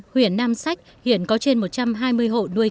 huyện nam sách hiện có trên một trăm hai mươi hộ nuôi